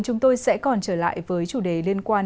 chúng tôi sẽ còn trở lại với chủ đề liên quan